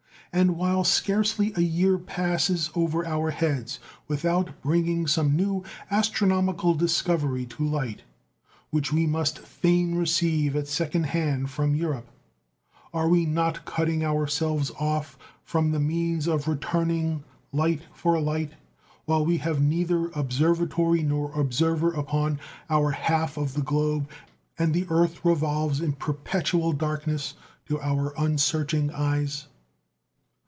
And while scarcely a year passes over our heads without bringing some new astronomical discovery to light, which we must fain receive at second hand from Europe, are we not cutting ourselves off from the means of returning light for light while we have neither observatory nor observer upon our half of the globe and the earth revolves in perpetual darkness to our unsearching eyes?